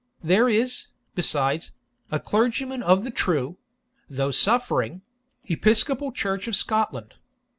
There is, besides, a clergyman of the true (though suffering) Episcopal church of Scotland.